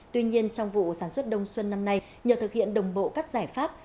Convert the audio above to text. tuy nhiên trong vụ sản xuất đông xuân năm nay nhờ thực hiện đồng bộ các giải pháp